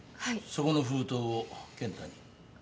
そこの封筒を健太に。